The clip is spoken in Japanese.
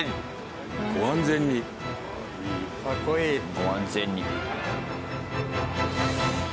「ご安全に」。